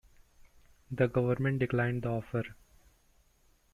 The government declined the offer.